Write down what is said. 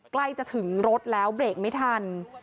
ใกล้จะถึงรถแล้วเบรกไม่ทัน